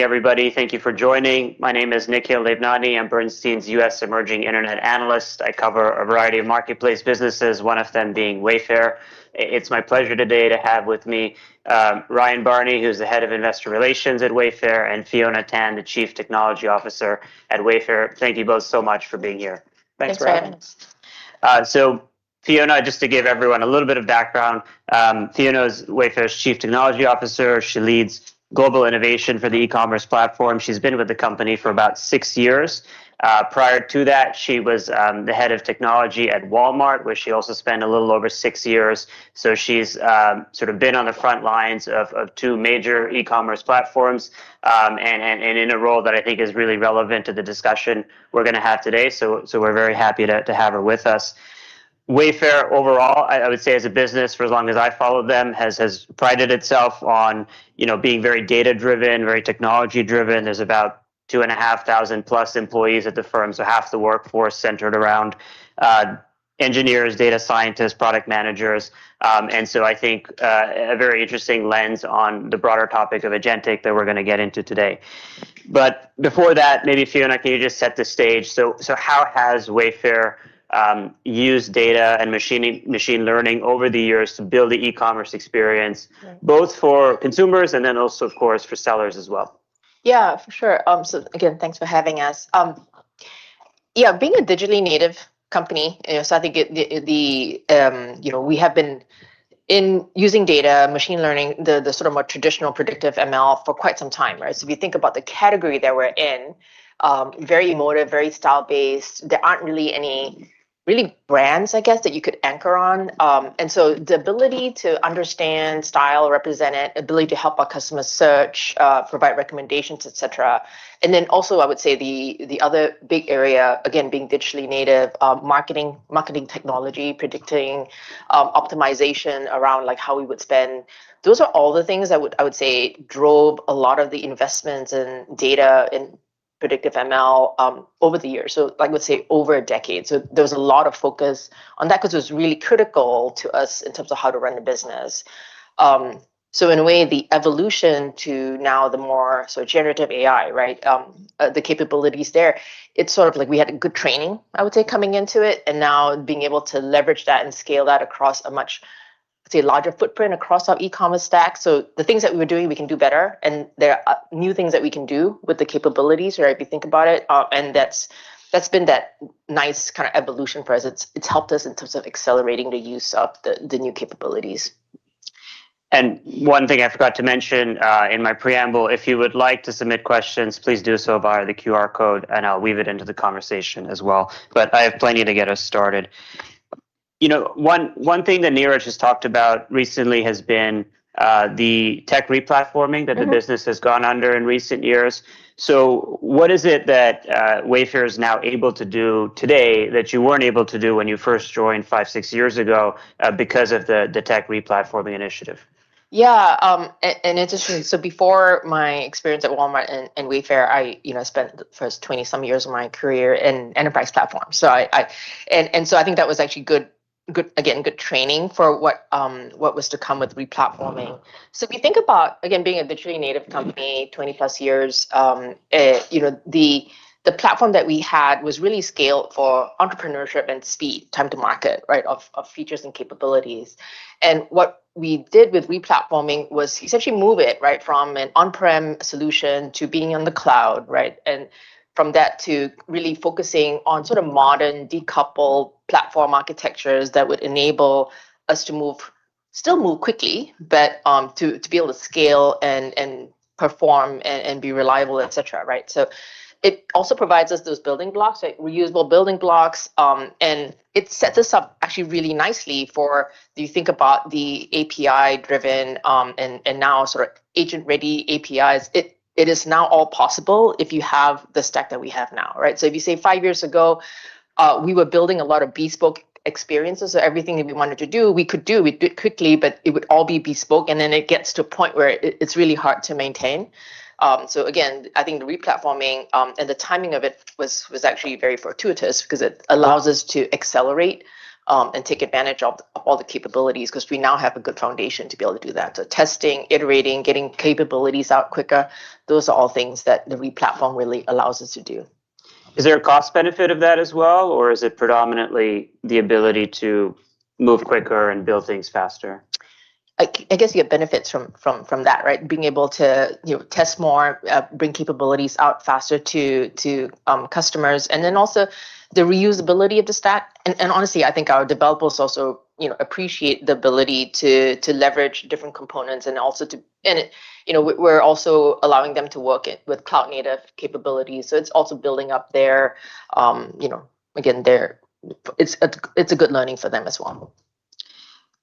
Everybody, thank you for joining. My name is Nikhil Devnani. I'm Bernstein's U.S. emerging internet analyst. I cover a variety of marketplace businesses, one of them being Wayfair. It's my pleasure today to have with me, Ryan Barney, who's the Head of Investor Relations at Wayfair, and Fiona Tan, the Chief Technology Officer at Wayfair. Thank you both so much for being here. Thanks for having us. Thanks for having us. Fiona, just to give everyone a little bit of background, Fiona is Wayfair's Chief Technology Officer. She leads global innovation for the e-commerce platform. She's been with the company for about six years. Prior to that, she was the head of technology at Walmart, where she also spent a little over six years. She's sort of been on the front lines of two major e-commerce platforms, and in a role that I think is really relevant to the discussion we're gonna have today. We're very happy to have her with us. Wayfair, overall, I would say as a business for as long as I followed them, has prided itself on, you know, being very data-driven, very technology-driven. There's about 2,500+ employees at the firm, so half the workforce centered around engineers, data scientists, product managers, and so I think a very interesting lens on the broader topic of agentic that we're gonna get into today. Before that, maybe, Fiona, can you just set the stage? How has Wayfair used data and machine learning over the years to build the e-commerce experience- both for consumers and then also, of course, for sellers as well? Yeah, for sure. Again, thanks for having us. Yeah, being a digitally native company, you know, I think we have been using data, machine learning, the sort of more traditional predictive ML for quite some time, right? If you think about the category that we're in, very emotive, very style-based, there aren't really any brands, I guess, that you could anchor on. The ability to understand style, represent it, ability to help our customers search, provide recommendations, et cetera. Also I would say the other big area, again, being digitally native, marketing technology, predicting optimization around, like, how we would spend. Those are all the things I would say drove a lot of the investments in data and predictive ML over the years. Like I would say, over a decade. There was a lot of focus on that 'cause it was really critical to us in terms of how to run the business. In a way, the evolution to now the more so generative AI, right, the capabilities there, it's sort of like we had a good training, I would say, coming into it, and now being able to leverage that and scale that across a much, say, larger footprint across our e-commerce stack. The things that we were doing, we can do better, and there are new things that we can do with the capabilities, right, if you think about it. That's been that nice kind of evolution for us. It's helped us in terms of accelerating the use of the new capabilities. One thing I forgot to mention in my preamble, if you would like to submit questions, please do so via the QR code, and I'll weave it into the conversation as well. I have plenty to get us started. You know, one thing that Neeraj has talked about recently has been the tech re-platforming. Mm-hmm... that the business has gone under in recent years. What is it that Wayfair is now able to do today that you weren't able to do when you first joined five, six years ago, because of the tech re-platforming initiative? Yeah. And interestingly, before my experience at Walmart and Wayfair, I, you know, spent the first 20-some years of my career in enterprise platforms. I think that was actually good training for what was to come with re-platforming. If you think about, again, being a virtually native company 20+ years, you know, the platform that we had was really scaled for entrepreneurship and speed, time to market, right, of features and capabilities. What we did with re-platforming was essentially move it, right, from an on-prem solution to being on the cloud, right? From that to really focusing on sort of modern decoupled platform architectures that would enable us to move, still move quickly, but to be able to scale and perform and be reliable, et cetera, right? It also provides us those building blocks, like reusable building blocks, and it sets us up actually really nicely for you think about the API-driven and now sort of agent-ready APIs. It is now all possible if you have the stack that we have now, right? If you say five years ago, we were building a lot of bespoke experiences, so everything that we wanted to do, we could do. We'd do it quickly, but it would all be bespoke, and then it gets to a point where it's really hard to maintain. I think the re-platforming and the timing of it was actually very fortuitous because it allows us to accelerate and take advantage of all the capabilities because we now have a good foundation to be able to do that. Testing, iterating, getting capabilities out quicker, those are all things that the re-platform really allows us to do. Is there a cost benefit of that as well, or is it predominantly the ability to move quicker and build things faster? I guess you get benefits from that, right? Being able to, you know, test more, bring capabilities out faster to customers, and then also the reusability of the stack. Honestly, I think our developers also, you know, appreciate the ability to leverage different components, and, you know, we're also allowing them to work with cloud-native capabilities, so it's also building up their, you know, again. It's a good learning for them as well.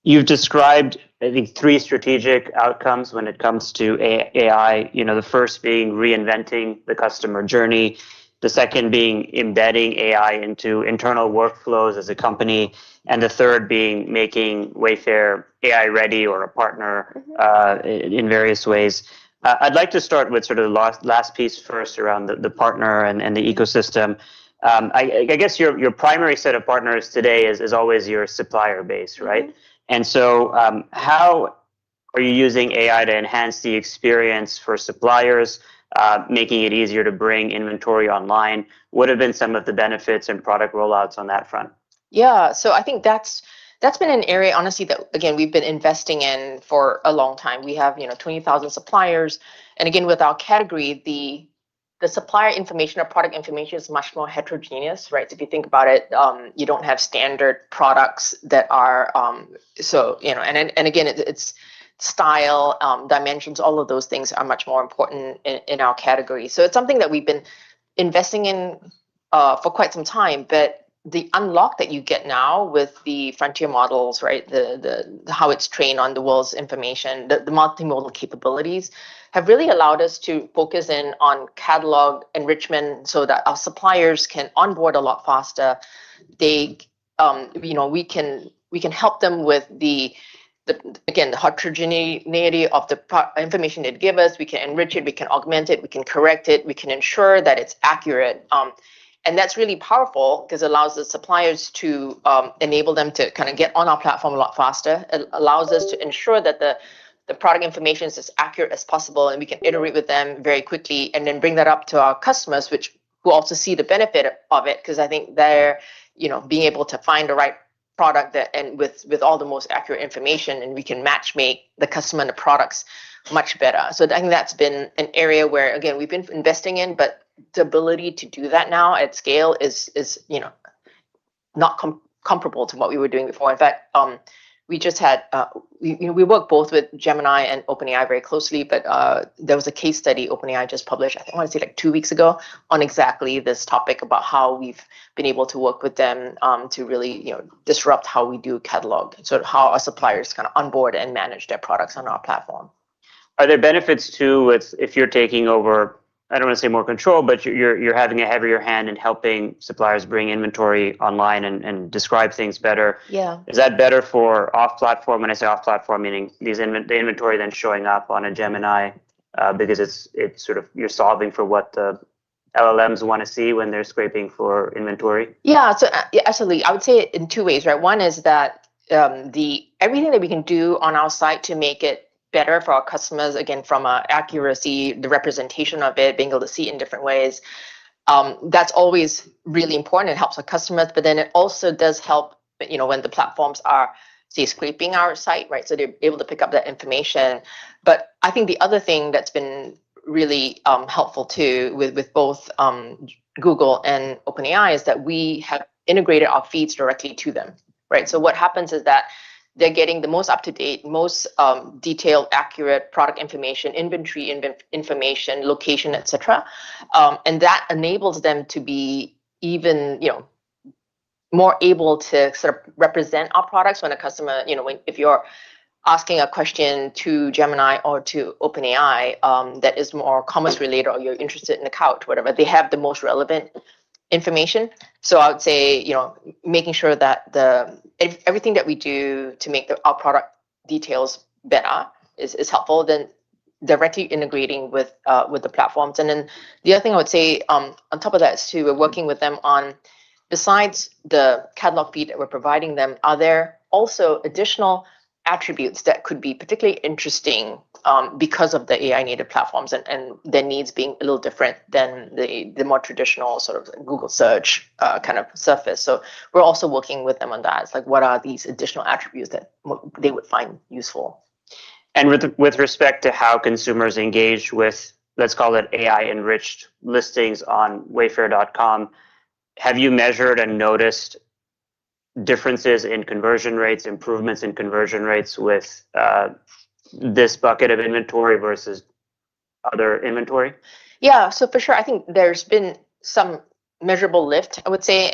You've described, I think, three strategic outcomes when it comes to AI, you know, the first being reinventing the customer journey, the second being embedding AI into internal workflows as a company, and the third being making Wayfair AI-ready or a partner in various ways. I'd like to start with sort of the last piece first around the partner and the ecosystem. I guess your primary set of partners today is always your supplier base, right? Mm-hmm. How are you using AI to enhance the experience for suppliers, making it easier to bring inventory online? What have been some of the benefits and product rollouts on that front? Yeah. I think that's been an area, honestly, that again, we've been investing in for a long time. We have, you know, 20,000 suppliers. Again, with our category, the supplier information or product information is much more heterogeneous. Right? If you think about it, you don't have standard products. You know. Again, it's style, dimensions, all of those things are much more important in our category. It's something that we've been investing in for quite some time. The unlock that you get now with the frontier models, right, the how it's trained on the world's information, the multimodal capabilities have really allowed us to focus in on catalog enrichment so that our suppliers can onboard a lot faster. They, you know, we can help them with the, again, the heterogeneity of the information they give us. We can enrich it, we can augment it, we can correct it, we can ensure that it's accurate. That's really powerful because it allows the suppliers to enable them to kind of get on our platform a lot faster. It allows us to ensure that the product information is as accurate as possible, and we can iterate with them very quickly and then bring that up to our customers, who also see the benefit of it, because I think they're, you know, being able to find the right product that and with all the most accurate information and we can matchmake the customer and the products much better. I think that's been an area where, again, we've been investing in, but the ability to do that now at scale is, you know, not comparable to what we were doing before. In fact, we just had, you know, we work both with Gemini and OpenAI very closely, but, there was a case study OpenAI just published, I think I want to say like two weeks ago, on exactly this topic about how we've been able to work with them, to really, you know, disrupt how we do catalog. How our suppliers kind of onboard and manage their products on our platform. Are there benefits, too, with if you're taking over? I don't want to say more control, but you're having a heavier hand in helping suppliers bring inventory online and describe things better? Yeah. Is that better for off platform? When I say off platform, meaning is the inventory then showing up on a Gemini, because it's sort of you're solving for what the LLMs want to see when they're scraping for inventory? Yeah. Absolutely. I would say it in two ways, right? One is that everything that we can do on our site to make it better for our customers, again, from an accuracy, the representation of it, being able to see it in different ways, that's always really important. It helps our customers. It also does help, you know, when the platforms are say scraping our site, right, so they're able to pick up that information. I think the other thing that's been really helpful too with both Google and OpenAI is that we have integrated our feeds directly to them, right? What happens is that they're getting the most up-to-date, most detailed, accurate product information, inventory information, location, et cetera. That enables them to be even, you know, more able to sort of represent our products when a customer, you know, when if you're asking a question to Gemini or to OpenAI, that is more commerce related or you're interested in a couch, whatever, they have the most relevant information. I would say, you know, making sure that everything that we do to make our product details better is helpful, then directly integrating with the platforms. The other thing I would say, on top of that too, we're working with them on besides the catalog feed that we're providing them, are there also additional attributes that could be particularly interesting, because of the AI native platforms and their needs being a little different than the more traditional sort of Google search kind of surface. We're also working with them on that. It's like what are these additional attributes that they would find useful. With respect to how consumers engage with, let's call it AI enriched listings on wayfair.com, have you measured and noticed differences in conversion rates, improvements in conversion rates with this bucket of inventory versus other inventory? Yeah. For sure, I think there's been some measurable lift, I would say.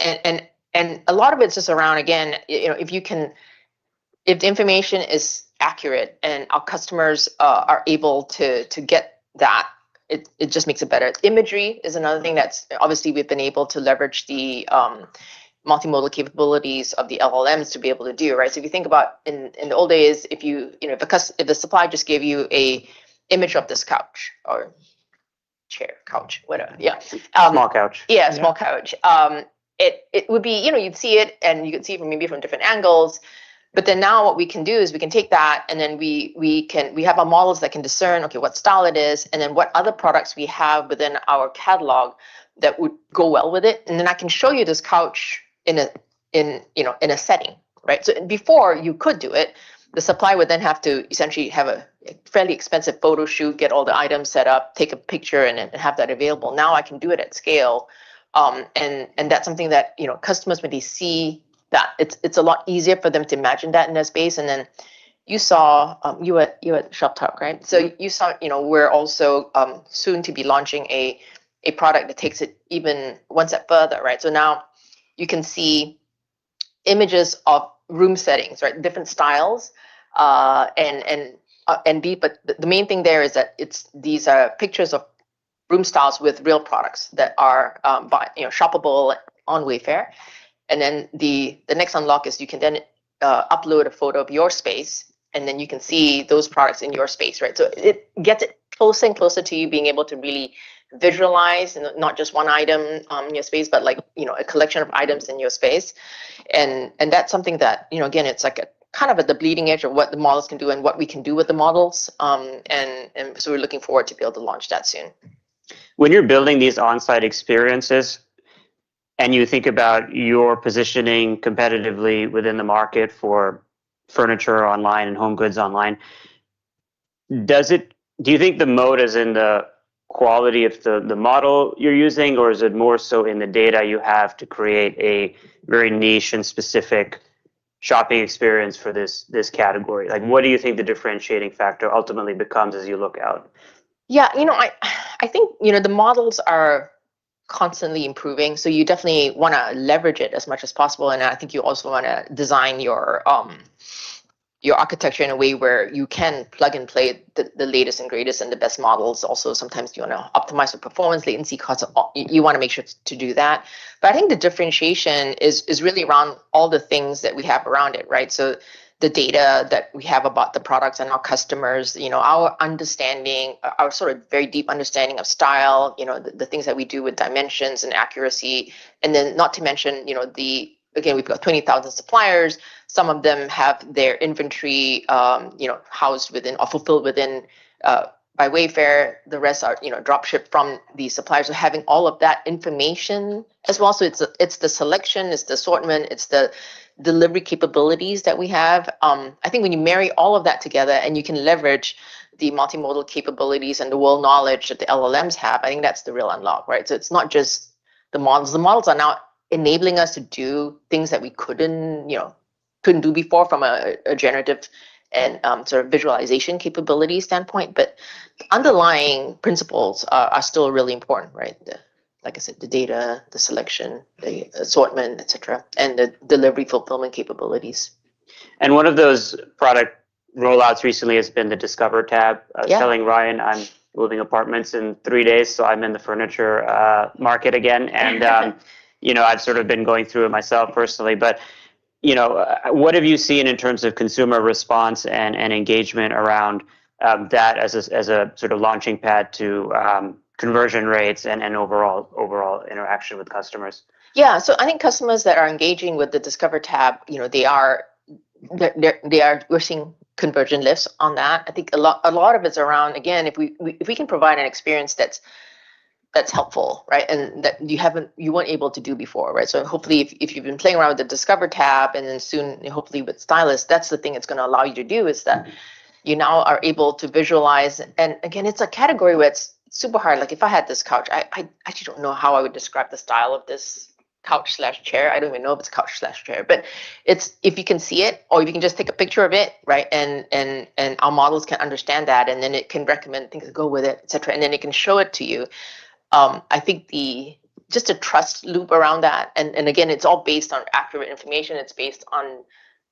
A lot of it's just around, again, you know, if the information is accurate and our customers are able to get that, it just makes it better. Imagery is another thing that's obviously, we've been able to leverage the multimodal capabilities of the LLMs to be able to do, right? If you think about in the old days, if you know, if the supplier just gave you an image of this couch or chair, whatever. Small couch. Yeah, small couch. It would be, you know, you'd see it and you could see it maybe from different angles. Now what we can do is we can take that, and then we have our models that can discern, okay, what style it is and then what other products we have within our catalog that would go well with it. I can show you this couch in a, you know, in a setting, right? Before you could do it, the supplier would then have to essentially have a fairly expensive photo shoot, get all the items set up, take a picture and have that available. Now I can do it at scale. That's something that, you know, for customers when they see that it's a lot easier for them to imagine that in their space. Then you were at Shoptalk, right? You saw, you know, we're also soon to be launching a product that takes it even one step further, right? Now you can see images of room settings in different styles and deep. The main thing there is that these are pictures of room styles with real products that are buyable, you know, shoppable on Wayfair. Then the next unlock is you can then upload a photo of your space, and then you can see those products in your space, right? It gets it closer and closer to you being able to really visualize, not just one item in your space, but like, you know, a collection of items in your space. That's something that, you know, again, it's like a kind of at the bleeding edge of what the models can do and what we can do with the models. We're looking forward to be able to launch that soon. When you're building these on-site experiences and you think about your positioning competitively within the market for furniture online and home goods online, do you think the moat is in the quality of the model you're using, or is it more so in the data you have to create a very niche and specific shopping experience for this category? Like, what do you think the differentiating factor ultimately becomes as you look out? Yeah. You know, I think, you know, the models are constantly improving, so you definitely wanna leverage it as much as possible, and I think you also wanna design your architecture in a way where you can plug and play the latest and greatest and the best models. Also, sometimes you wanna optimize the performance latency 'cause you wanna make sure to do that. I think the differentiation is really around all the things that we have around it, right? The data that we have about the products and our customers, you know, our understanding, our sort of very deep understanding of style, you know, the things that we do with dimensions and accuracy, and then not to mention, you know, again, we've got 20,000 suppliers. Some of them have their inventory, you know, housed within or fulfilled within by Wayfair. The rest are, you know, drop-shipped from the suppliers, having all of that information as well. It's the selection, it's the assortment, it's the delivery capabilities that we have. I think when you marry all of that together and you can leverage the multimodal capabilities and the world knowledge that the LLMs have, I think that's the real unlock, right? It's not just the models. The models are now enabling us to do things that we couldn't, you know, do before from a generative and sort of visualization capability standpoint. Underlying principles are still really important, right? Like I said, the data, the selection, the assortment, et cetera, and the delivery fulfillment capabilities. One of those product rollouts recently has been the Discover tab. Yeah. Telling Ryan I'm moving apartments in three days, so I'm in the furniture market again. You know, I've sort of been going through it myself personally. You know, what have you seen in terms of consumer response and engagement around that as a sort of launching pad to conversion rates and overall interaction with customers? Yeah. I think customers that are engaging with the Discover tab, you know, they are pushing conversion lifts on that. I think a lot of it's around, again, if we can provide an experience that's helpful, right, and that you haven't, you weren't able to do before, right? Hopefully if you've been playing around with the Discover tab, and then soon, hopefully with Stylist, that's the thing it's gonna allow you to do, is that you now are able to visualize. Again, it's a category where it's super hard. Like, if I had this couch, I actually don't know how I would describe the style of this couch or chair. I don't even know if it's a couch or chair. It's if you can see it or if you can just take a picture of it, right, and our models can understand that, and then it can recommend things to go with it, et cetera, and then it can show it to you. I think just the trust loop around that. Again, it's all based on accurate information. It's based on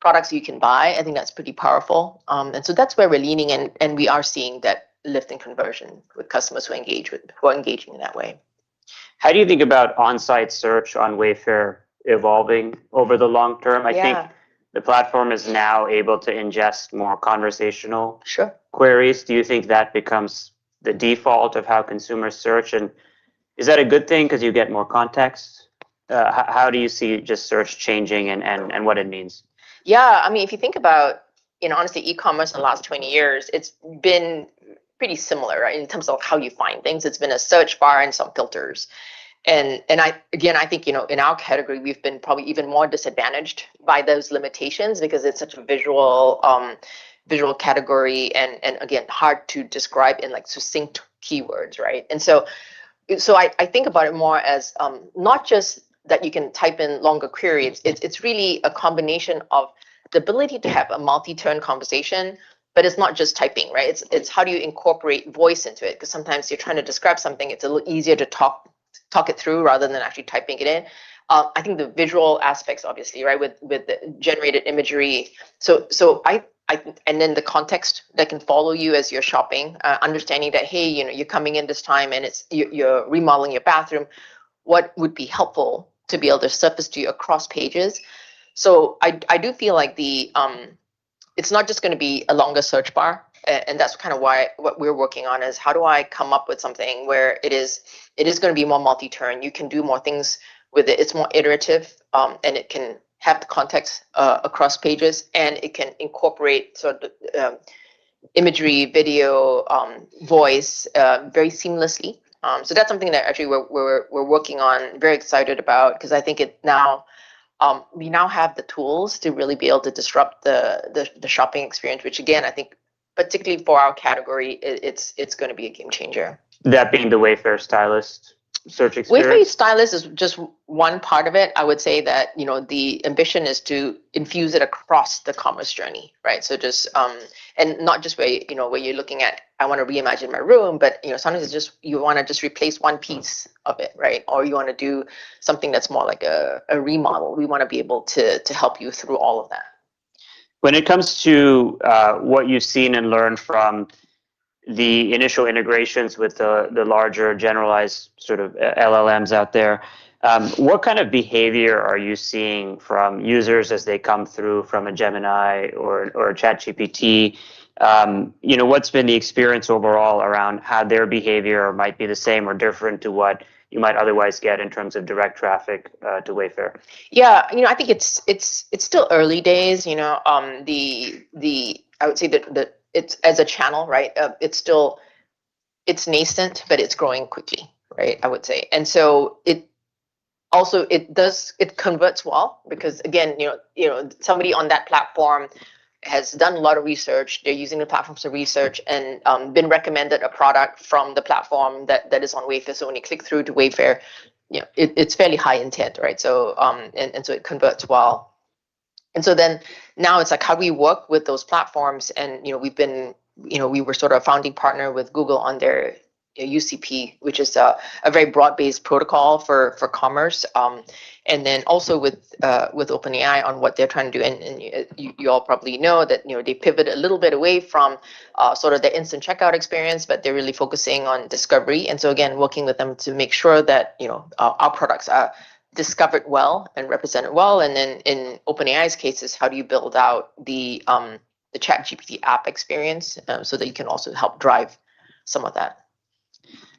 products you can buy. I think that's pretty powerful. That's where we're leaning and we are seeing that lift in conversion with customers who are engaging in that way. How do you think about on-site search on Wayfair evolving over the long term? Yeah. I think the platform is now able to ingest more conversational. Sure... queries. Do you think that becomes the default of how consumers search, and is that a good thing 'cause you get more context? How do you see just search changing and what it means? Yeah. I mean, if you think about, you know, honestly, e-commerce in the last 20 years, it's been pretty similar, right, in terms of how you find things. It's been a search bar and some filters. I again think, you know, in our category, we've been probably even more disadvantaged by those limitations because it's such a visual category and again hard to describe in, like, succinct keywords, right? I think about it more as not just that you can type in longer queries. It's really a combination of the ability to have a multi-turn conversation, but it's not just typing, right? It's how do you incorporate voice into it? 'Cause sometimes you're trying to describe something, it's a little easier to talk it through rather than actually typing it in. I think the visual aspects obviously, right, with the generated imagery. Then the context that can follow you as you're shopping, understanding that, hey, you know, you're coming in this time and it's you're remodeling your bathroom. What would be helpful to be able to surface to you across pages? I do feel like it's not just gonna be a longer search bar, and that's kinda why what we're working on is how do I come up with something where it is gonna be more multi-turn. You can do more things with it. It's more iterative, and it can have the context across pages, and it can incorporate sort of the imagery, video, voice very seamlessly. That's something that actually we're working on, very excited about, 'cause I think now we have the tools to really be able to disrupt the shopping experience, which again, I think particularly for our category, it's gonna be a game changer. That being the Wayfair Stylist search experience? Wayfair Stylist is just one part of it. I would say that, you know, the ambition is to infuse it across the commerce journey, right? Not just where, you know, where you're looking at, I wanna reimagine my room, but, you know, sometimes it's just you wanna just replace one piece of it, right? Or you wanna do something that's more like a remodel. We wanna be able to help you through all of that. When it comes to what you've seen and learned from the initial integrations with the larger generalized sort of LLMs out there, what kind of behavior are you seeing from users as they come through from a Gemini or a ChatGPT? You know, what's been the experience overall around how their behavior might be the same or different to what you might otherwise get in terms of direct traffic to Wayfair? Yeah. You know, I think it's still early days, you know. I would say it's a channel, right, it's still nascent, but it's growing quickly, right, I would say. It converts well because again, you know, somebody on that platform has done a lot of research. They're using the platform to research and been recommended a product from the platform that is on Wayfair. When you click through to Wayfair, you know, it's fairly high intent, right? It converts well. Now it's like how do we work with those platforms and we were sort of founding partner with Google on their UCP, which is a very broad-based protocol for commerce. Then also with OpenAI on what they're trying to do, and you all probably know that, you know, they pivot a little bit away from sort of the instant checkout experience, but they're really focusing on discovery. Again, working with them to make sure that, you know, our products are discovered well and represented well. In OpenAI's case is how do you build out the ChatGPT app experience so that you can also help drive some of that.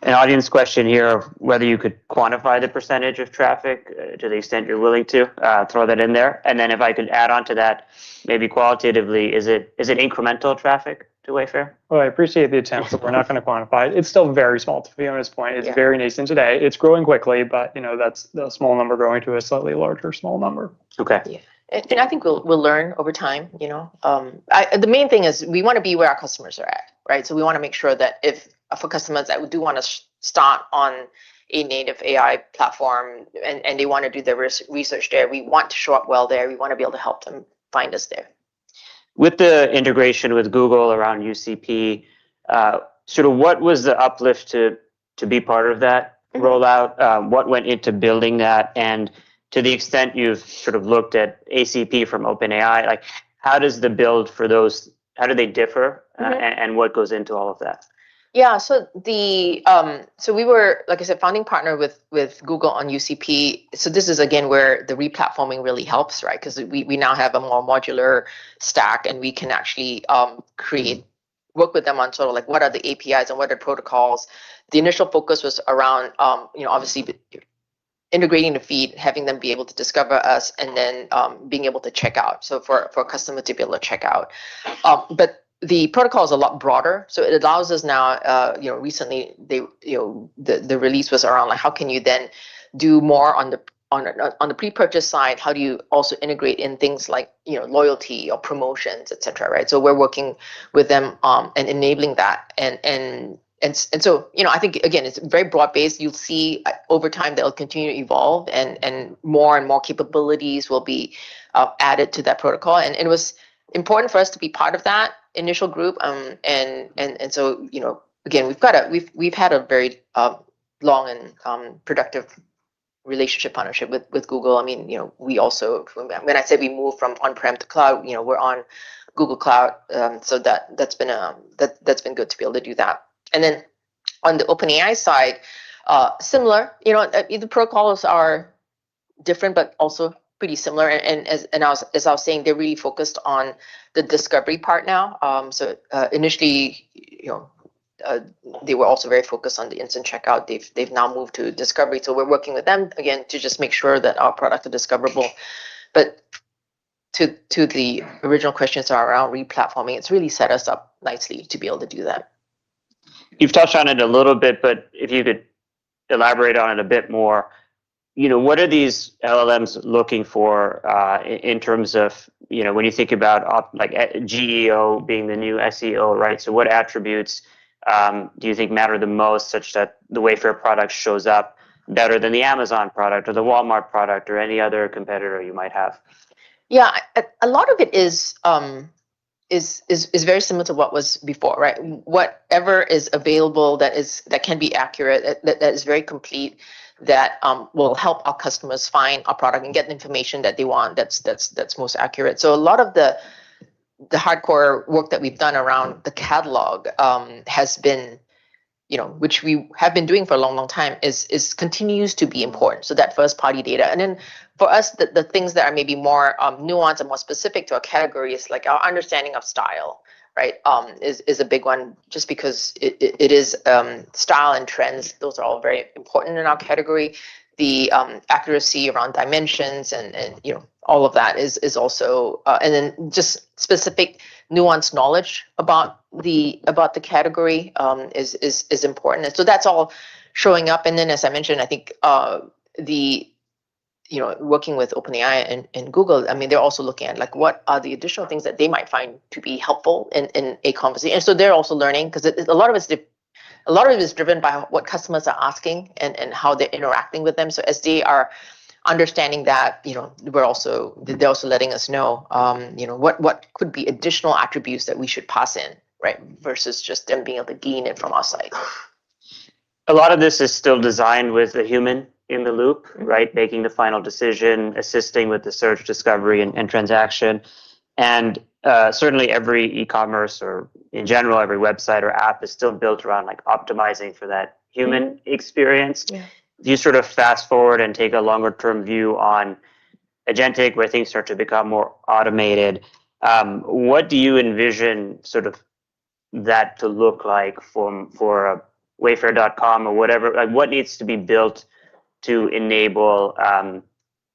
An audience question here, whether you could quantify the percentage of traffic, to the extent you're willing to, throw that in there. Then if I could add onto that maybe qualitatively, is it incremental traffic to Wayfair? Well, I appreciate the attempt, but we're not gonna quantify it. It's still very small. To Fiona's point. Yeah It's very nascent today. It's growing quickly, but, you know, that's the small number growing to a slightly larger small number. Okay. Yeah. I think we'll learn over time, you know. The main thing is we wanna be where our customers are at, right? We wanna make sure that if for customers that do wanna start on a native AI platform and they wanna do their research there, we want to show up well there. We wanna be able to help them find us there. With the integration with Google around UCP, sort of what was the uplift to be part of that rollout? What went into building that? To the extent you've sort of looked at ACP from OpenAI, like how do they differ? Mm-hmm. What goes into all of that? Yeah. We were, like I said, founding partner with Google on UCP. This is again where the replatforming really helps, right? 'Cause we now have a more modular stack, and we can actually work with them on sort of like what are the APIs and what are protocols. The initial focus was around you know, obviously integrating the feed, having them be able to discover us, and then being able to check out, so for a customer to be able to check out. The protocol is a lot broader, so it allows us now, you know, recently they, the release was around like how can you then do more on the pre-purchase side? How do you also integrate in things like, you know, loyalty or promotions, et cetera, right? We're working with them, and enabling that. You know, I think again, it's very broad-based. You'll see over time they'll continue to evolve and more and more capabilities will be added to that protocol. It was important for us to be part of that initial group. You know, again, we've had a very long and productive relationship with Google. I mean, you know, when I say we moved from on-prem to cloud, you know, we're on Google Cloud. That's been good to be able to do that. Then on the OpenAI side, similar, you know. The protocols are different but also pretty similar. As I was saying, they're really focused on the discovery part now. Initially, you know, they were also very focused on the instant checkout. They've now moved to discovery, so we're working with them again to just make sure that our products are discoverable. To the original questions around replatforming, it's really set us up nicely to be able to do that. You've touched on it a little bit, but if you could elaborate on it a bit more, you know, what are these LLMs looking for, in terms of, you know, when you think about like GEO being the new SEO, right? So what attributes do you think matter the most such that the Wayfair product shows up better than the Amazon product or the Walmart product or any other competitor you might have? Yeah. A lot of it is very similar to what was before, right? Whatever is available that is that can be accurate, that is very complete, that will help our customers find our product and get the information that they want, that's most accurate. A lot of the hardcore work that we've done around the catalog has been, you know, which we have been doing for a long time, is continues to be important, so that first-party data. Then for us, the things that are maybe more nuanced and more specific to our category is like our understanding of style, right? Is a big one just because it is style and trends, those are all very important in our category. The accuracy around dimensions and you know all of that is also. Just specific nuanced knowledge about the category is important. That's all showing up. As I mentioned, I think you know working with OpenAI and Google, I mean, they're also looking at like what are the additional things that they might find to be helpful in a conversation. They're also learning 'cause a lot of it is driven by what customers are asking and how they're interacting with them. As they are understanding that, you know, we're also, they're also letting us know you know what could be additional attributes that we should pass in, right? Versus just them being able to gain it from our site. A lot of this is still designed with the human in the loop. Mm-hmm Right? Making the final decision, assisting with the search, discovery, and transaction. Certainly every e-commerce or in general, every website or app is still built around like optimizing for that human experience. Yeah. Do you sort of fast forward and take a longer term view on agentic, where things start to become more automated? What do you envision sort of that to look like for wayfair.com or whatever? Like what needs to be built to enable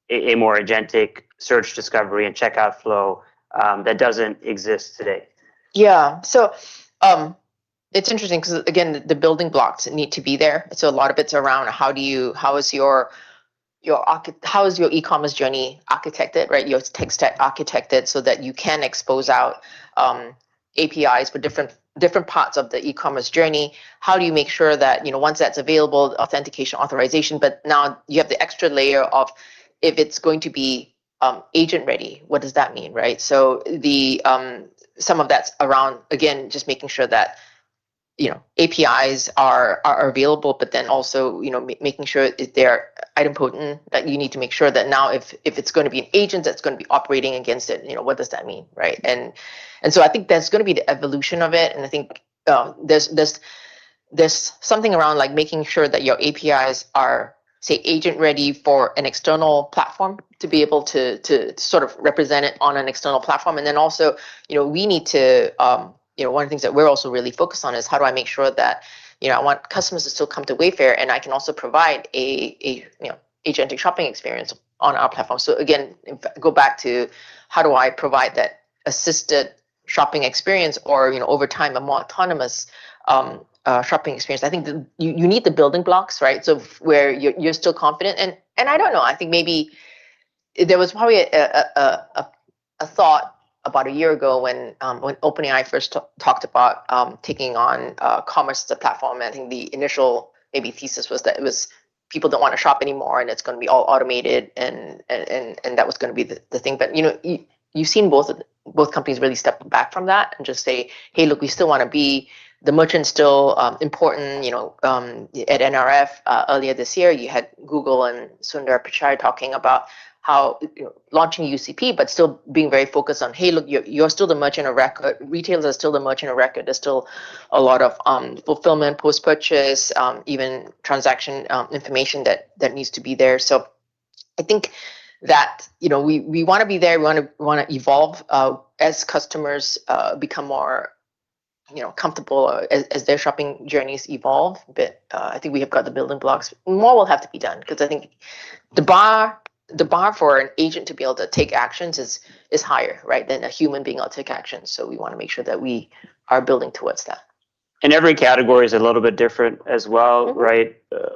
a more agentic search, discovery, and checkout flow that doesn't exist today? It's interesting because again, the building blocks need to be there. A lot of it's around how is your e-commerce journey architected, right? Your tech stack architected so that you can expose out APIs for different parts of the e-commerce journey. How do you make sure that, you know, once that's available, authentication, authorization, but now you have the extra layer of if it's going to be agent ready, what does that mean, right? Some of that's around, again, just making sure that, you know, APIs are available, but then also, you know, making sure they're idempotent. That you need to make sure that now if it's gonna be an agent that's gonna be operating against it, you know, what does that mean, right? I think that's gonna be the evolution of it, and I think there's something around like making sure that your APIs are, say, agent ready for an external platform to be able to sort of represent it on an external platform. Then also, you know, we need to, you know, one of the things that we're also really focused on is how do I make sure that, you know, I want customers to still come to Wayfair, and I can also provide a you know, agentic shopping experience on our platform. Again, go back to how do I provide that assisted shopping experience or, you know, over time, a more autonomous shopping experience. I think you need the building blocks, right? Where you're still confident. I don't know, I think maybe there was probably a thought about a year ago when OpenAI first talked about taking on commerce as a platform. I think the initial maybe thesis was that it was people don't want to shop anymore, and it's gonna be all automated and that was gonna be the thing. You know, you've seen both companies really step back from that and just say, "Hey, look, we still wanna be the merchant still important." You know, at NRF earlier this year, you had Google and Sundar Pichai talking about how, you know, launching UCP but still being very focused on, hey, look, you're still the merchant of record. Retailers are still the merchant of record. There's still a lot of fulfillment, post-purchase, even transaction information that needs to be there. I think that, you know, we wanna be there, we wanna evolve as customers become more, you know, comfortable as their shopping journeys evolve. I think we have got the building blocks. More will have to be done because I think the bar for an agent to be able to take actions is higher, right, than a human being able to take action. We wanna make sure that we are building towards that. Every category is a little bit different as well, right? Mm-hmm.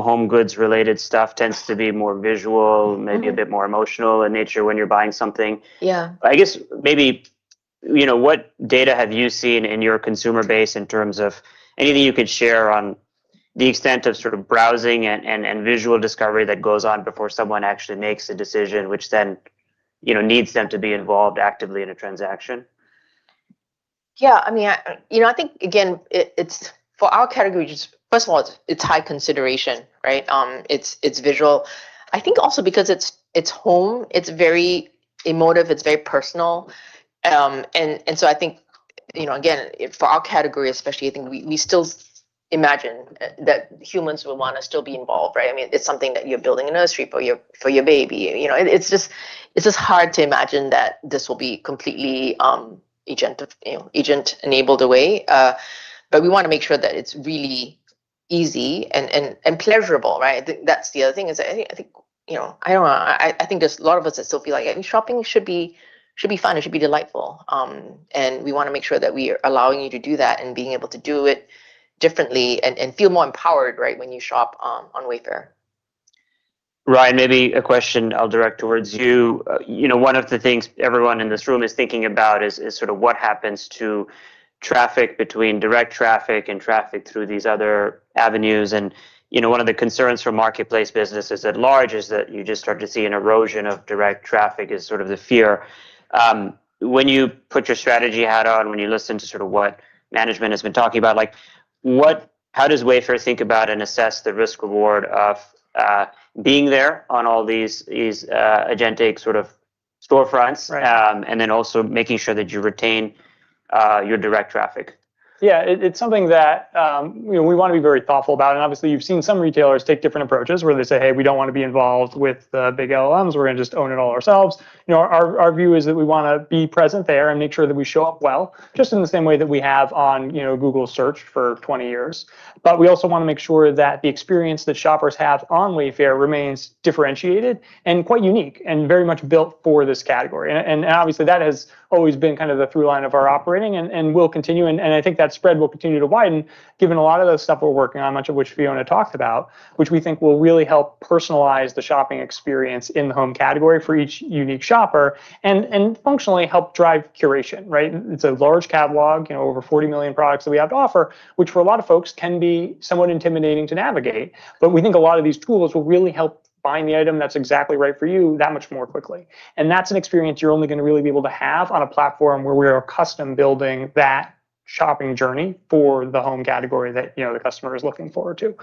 Home goods related stuff tends to be more visual. Mm-hmm. Maybe a bit more emotional in nature when you're buying something. Yeah. I guess maybe, you know, what data have you seen in your consumer base in terms of anything you could share on the extent of sort of browsing and visual discovery that goes on before someone actually makes a decision, which then, you know, needs them to be involved actively in a transaction? Yeah, I mean, you know, I think again, it's for our category just first of all, it's high consideration, right? It's visual. I think also because it's home, it's very emotive, it's very personal. I think, you know, again, for our category especially, I think we still imagine that humans would wanna still be involved, right? I mean, it's something that you're building a nursery for your baby. You know, it's just hard to imagine that this will be completely agent enabled away. But we wanna make sure that it's really easy and pleasurable, right? That's the other thing is I think, you know, I don't know, I think there's a lot of us that still feel like I think shopping should be fun. It should be delightful. We wanna make sure that we are allowing you to do that and being able to do it differently and feel more empowered, right, when you shop on Wayfair. Ryan, maybe a question I'll direct towards you. You know, one of the things everyone in this room is thinking about is sort of what happens to traffic between direct traffic and traffic through these other avenues. You know, one of the concerns for marketplace businesses at large is that you just start to see an erosion of direct traffic, is sort of the fear. When you put your strategy hat on, when you listen to sort of what management has been talking about, like how does Wayfair think about and assess the risk reward of being there on all these agentic sort of storefronts? Right. Making sure that you retain your direct traffic. Yeah. It's something that, you know, we wanna be very thoughtful about, and obviously you've seen some retailers take different approaches where they say, "Hey, we don't wanna be involved with the big LLMs. We're gonna just own it all ourselves." You know, our view is that we wanna be present there and make sure that we show up well, just in the same way that we have on, you know, Google Search for 20 years. But we also wanna make sure that the experience that shoppers have on Wayfair remains differentiated and quite unique and very much built for this category. And obviously, that has always been kind of the through line of our operating and will continue. I think that spread will continue to widen given a lot of those stuff we're working on, much of which Fiona talked about, which we think will really help personalize the shopping experience in the home category for each unique shopper and functionally help drive curation, right? It's a large catalog, you know, over 40 million products that we have to offer, which for a lot of folks can be somewhat intimidating to navigate. We think a lot of these tools will really help find the item that's exactly right for you that much more quickly. That's an experience you're only gonna really be able to have on a platform where we're custom building that shopping journey for the home category that, you know, the customer is looking forward to.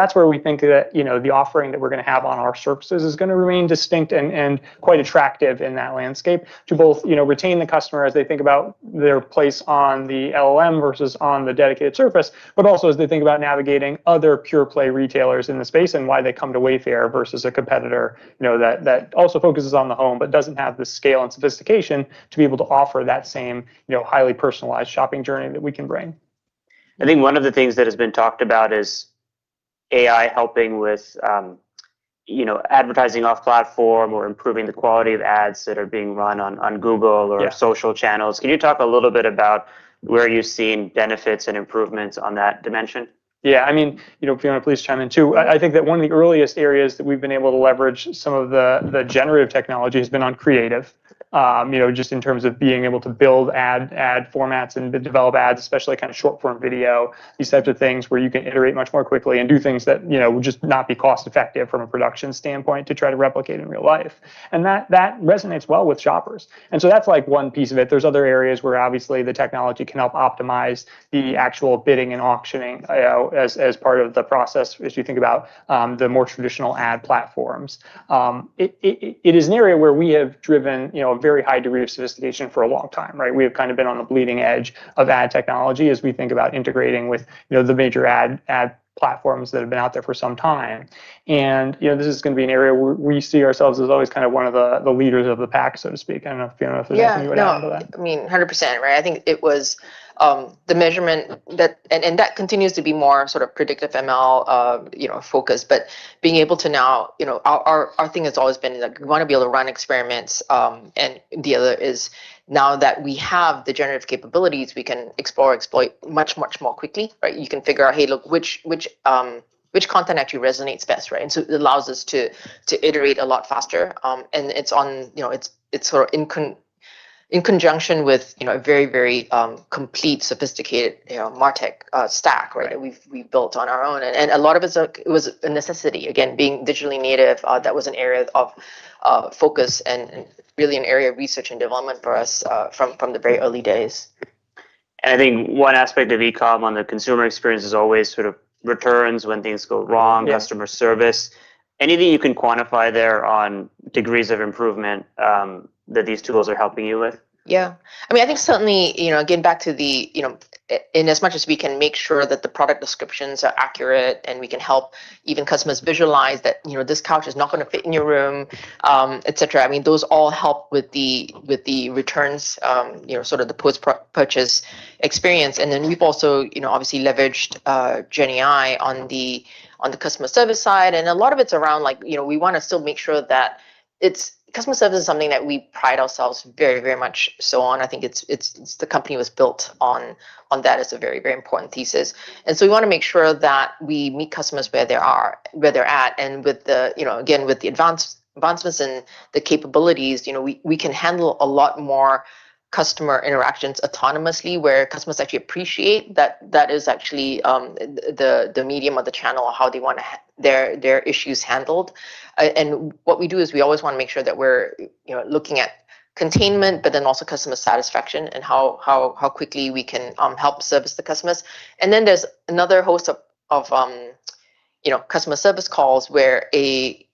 That's where we think that, you know, the offering that we're gonna have on our surfaces is gonna remain distinct and quite attractive in that landscape to both, you know, retain the customer as they think about their place on the LLM versus on the dedicated surface, but also as they think about navigating other pure play retailers in the space and why they come to Wayfair versus a competitor, you know, that also focuses on the home but doesn't have the scale and sophistication to be able to offer that same, you know, highly personalized shopping journey that we can bring. I think one of the things that has been talked about is AI helping with advertising off platform or improving the quality of ads that are being run on Google. Yeah. Our social channels. Can you talk a little bit about where you're seeing benefits and improvements on that dimension? Yeah, I mean, you know, Fiona, please chime in too. I think that one of the earliest areas that we've been able to leverage some of the generative technology has been on creative. You know, just in terms of being able to build ad formats and develop ads, especially kinda short form video, these types of things where you can iterate much more quickly and do things that, you know, would just not be cost-effective from a production standpoint to try to replicate in real life. That resonates well with shoppers. That's, like, one piece of it. There's other areas where obviously the technology can help optimize the actual bidding and auctioning, you know, as part of the process as you think about the more traditional ad platforms. It is an area where we have driven, you know, a very high degree of sophistication for a long time, right? We have kind of been on the bleeding edge of ad technology as we think about integrating with, you know, the major ad platforms that have been out there for some time. You know, this is gonna be an area where we see ourselves as always kind of one of the leaders of the pack, so to speak. I don't know, Fiona, if there's anything you wanna add to that. Yeah, no. I mean, 100%, right? That continues to be more sort of predictive ML focused. Being able to now, our thing has always been, like, we wanna be able to run experiments. The other is now that we have the generative capabilities, we can explore, exploit much more quickly, right? You can figure out, hey, look, which content actually resonates best, right? It allows us to iterate a lot faster. It's sort of in conjunction with a very completely sophisticated martech stack, right. Right... we've built on our own. A lot of it was a necessity. Again, being digitally native, that was an area of focus and really an area of research and development for us, from the very early days. I think one aspect of e-comm on the consumer experience is always sort of returns when things go wrong. Yeah Customer service. Anything you can quantify there on degrees of improvement, that these tools are helping you with? Yeah. I mean, I think certainly, you know, again back to the, you know, in as much as we can make sure that the product descriptions are accurate and we can help even customers visualize that, you know, this couch is not gonna fit in your room, et cetera, I mean, those all help with the returns, you know, sort of the post-purchase experience. Then we've also, you know, obviously leveraged GenAI on the customer service side. A lot of it's around, like, you know, we wanna still make sure that customer service is something that we pride ourselves very, very much so on. I think it's the company was built on that as a very, very important thesis. So we wanna make sure that we meet customers where they are, where they're at. With the, you know, again, with the advancements and the capabilities, you know, we can handle a lot more customer interactions autonomously, where customers actually appreciate that is actually the medium or the channel how they wanna have their issues handled. What we do is we always wanna make sure that we're, you know, looking at containment, but then also customer satisfaction and how quickly we can help service the customers. Then there's another host of customer service calls where a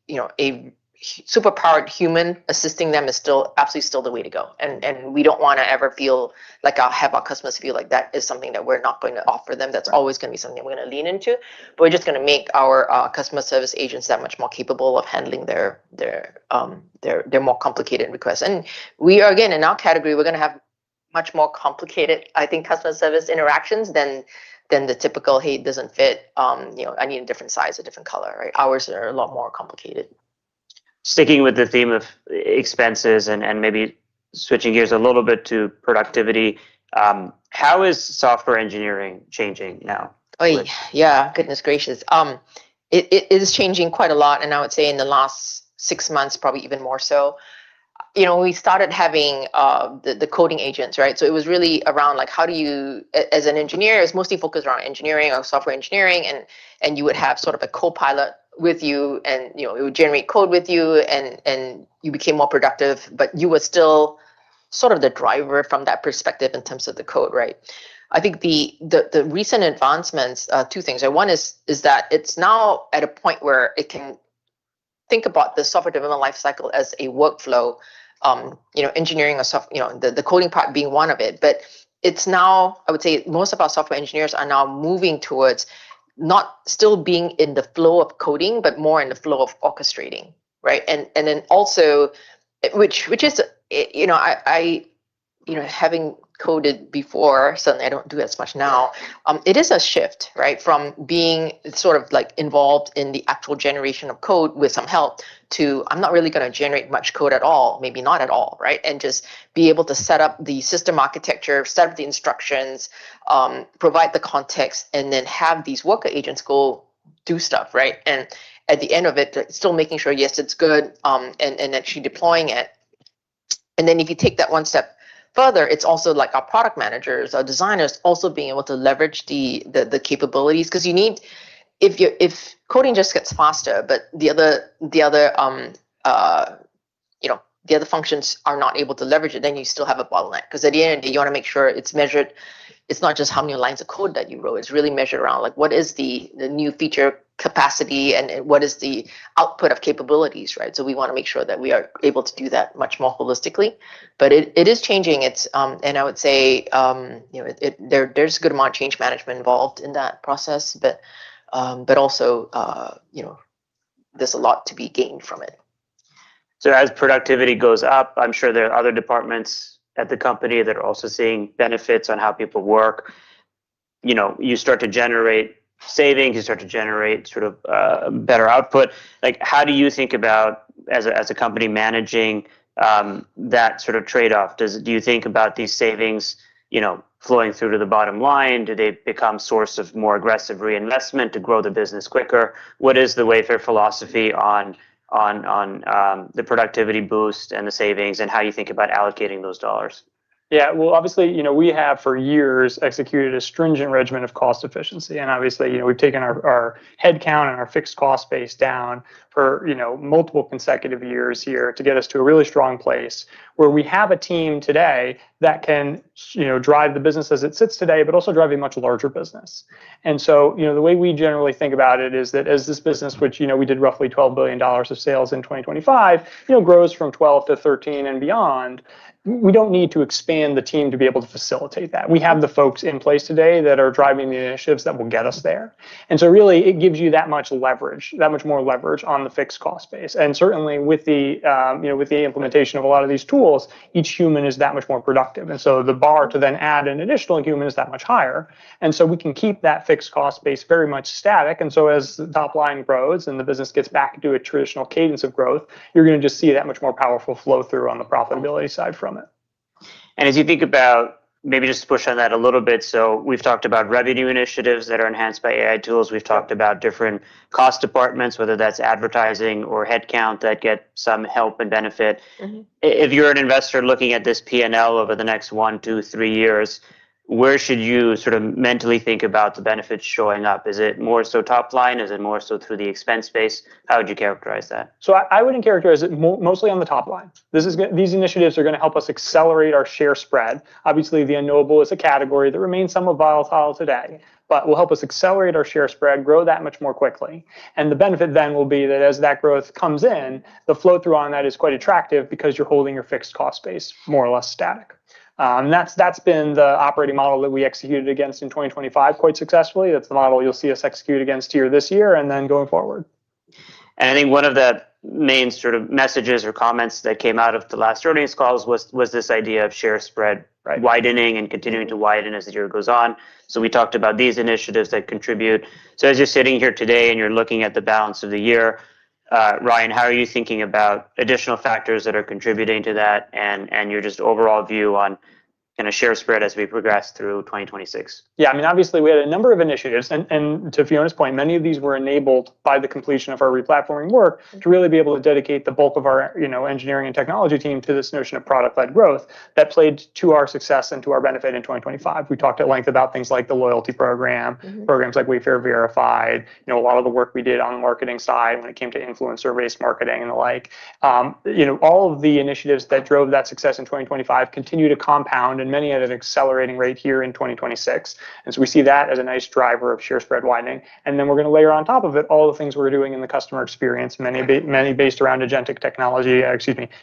super powered human assisting them is still absolutely still the way to go. We don't wanna ever feel like or have our customers feel like that is something that we're not going to offer them. That's always gonna be something we're gonna lean into. We're just gonna make our customer service agents that much more capable of handling their more complicated requests. We are, again, in our category, we're gonna have much more complicated, I think, customer service interactions than the typical, "Hey, it doesn't fit. You know, I need a different size or different color," right? Ours are a lot more complicated. Sticking with the theme of e-expenses and maybe switching gears a little bit to productivity, how is software engineering changing now with- Oh, yeah. Goodness gracious. It is changing quite a lot, and I would say in the last six months probably even more so. You know, we started having the coding agents, right? So it was really around, like, how do you, as an engineer, it was mostly focused around engineering, on software engineering, and you would have sort of a co-pilot with you and, you know, it would generate code with you and you became more productive, but you were still sort of the driver from that perspective in terms of the code, right? I think the recent advancements, two things. One is that it's now at a point where it can think about the software development life cycle as a workflow, you know, engineering or you know, the coding part being one of it. It's now, I would say, most of our software engineers are now moving towards not still being in the flow of coding, but more in the flow of orchestrating, right? Then also, which is, you know, I, you know, having coded before, certainly I don't do it as much now, it is a shift, right, from being sort of, like, involved in the actual generation of code with some help to I'm not really gonna generate much code at all, maybe not at all, right? Just be able to set up the system architecture, set up the instructions, provide the context, and then have these worker agents go do stuff, right? At the end of it, they're still making sure, yes, it's good, and actually deploying it. If you take that one step further, it's also, like, our product managers, our designers also being able to leverage the capabilities. 'Cause if coding just gets faster, but the other you know, the other functions are not able to leverage it, then you still have a bottleneck. 'Cause at the end of the day, you wanna make sure it's measured, it's not just how many lines of code that you wrote. It's really measured around, like, what is the new feature capacity and what is the output of capabilities, right? We wanna make sure that we are able to do that much more holistically. It is changing. It's I would say, you know, there's a good amount of change management involved in that process, but also, you know, there's a lot to be gained from it. As productivity goes up, I'm sure there are other departments at the company that are also seeing benefits on how people work. You know, you start to generate savings, you start to generate sort of better output. Like, how do you think about as a company managing that sort of trade-off? Do you think about these savings, you know, flowing through to the bottom line? Do they become source of more aggressive reinvestment to grow the business quicker? What is the Wayfair philosophy on the productivity boost and the savings and how you think about allocating those dollars? Yeah. Well, obviously, you know, we have for years executed a stringent regimen of cost efficiency. Obviously, you know, we've taken our headcount and our fixed cost base down for, you know, multiple consecutive years here to get us to a really strong place where we have a team today that can drive the business as it sits today, but also drive a much larger business. You know, the way we generally think about it is that as this business, which, you know, we did roughly $12 billion of sales in 2025, you know, grows from $12 billion to $13 billion and beyond, we don't need to expand the team to be able to facilitate that. We have the folks in place today that are driving the initiatives that will get us there. Really, it gives you that much leverage, that much more leverage on the fixed cost base. Certainly with the, you know, with the implementation of a lot of these tools, each human is that much more productive. The bar to then add an additional human is that much higher. We can keep that fixed cost base very much static. As the top line grows and the business gets back to a traditional cadence of growth, you're gonna just see that much more powerful flow-through on the profitability side from it. As you think about maybe just to push on that a little bit, so we've talked about revenue initiatives that are enhanced by AI tools. We've talked about different cost departments, whether that's advertising or headcount, that get some help and benefit. Mm-hmm. If you're an investor looking at this P&L over the next one to three years, where should you sort of mentally think about the benefits showing up? Is it more so top line? Is it more so through the expense base? How would you characterize that? I would characterize it mostly on the top line. These initiatives are gonna help us accelerate our share spread. Obviously, the unknowable is a category that remains somewhat volatile today, but will help us accelerate our share spread, grow that much more quickly. The benefit then will be that as that growth comes in, the flow-through on that is quite attractive because you're holding your fixed cost base more or less static. That's been the operating model that we executed against in 2025 quite successfully. That's the model you'll see us execute against here this year and then going forward. I think one of the main sort of messages or comments that came out of the last earnings calls was this idea of share spread Right widening and continuing to widen as the year goes on. We talked about these initiatives that contribute. As you're sitting here today and you're looking at the balance of the year, Ryan, how are you thinking about additional factors that are contributing to that and your just overall view on kind of share spread as we progress through 2026? Yeah, I mean, obviously we had a number of initiatives and to Fiona's point, many of these were enabled by the completion of our re-platforming work to really be able to dedicate the bulk of our, you know, engineering and technology team to this notion of product-led growth that played to our success and to our benefit in 2025. We talked at length about things like the loyalty program. Programs like Wayfair Verified. You know, a lot of the work we did on the marketing side when it came to influencer-based marketing and the like. You know, all of the initiatives that drove that success in 2025 continue to compound and many at an accelerating rate here in 2026. We see that as a nice driver of share spread widening. We're gonna layer on top of it all the things we're doing in the customer experience, many based around agentic technology,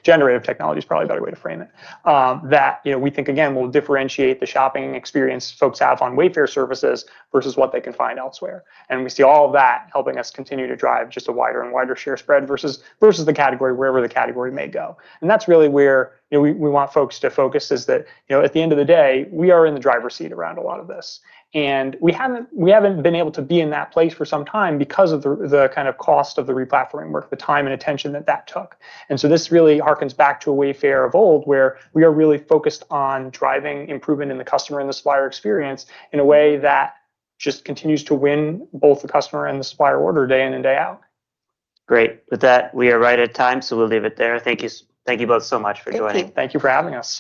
generative technology is probably a better way to frame it, that, you know, we think again will differentiate the shopping experience folks have on Wayfair services versus what they can find elsewhere. We see all of that helping us continue to drive just a wider and wider share spread versus the category wherever the category may go. That's really where, you know, we want folks to focus is that, you know, at the end of the day, we are in the driver's seat around a lot of this. We haven't been able to be in that place for some time because of the kind of cost of the re-platforming work, the time and attention that that took. This really harkens back to a Wayfair of old, where we are really focused on driving improvement in the customer and the supplier experience in a way that just continues to win both the customer and the supplier order day in and day out. Great. With that, we are right on time, so we'll leave it there. Thank you both so much for joining. Thank you. Thank you for having us.